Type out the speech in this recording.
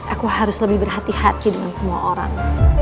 aku harus lebih berhati hati dengan semua orang